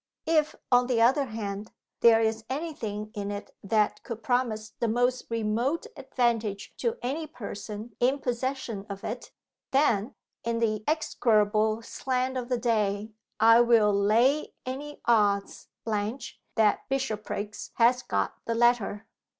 If, on the other hand, there is any thing in it that could promise the most remote advantage to any person in possession of it, then, in the execrable slang of the day, I will lay any odds, Blanche, that Bishopriggs has got the letter!"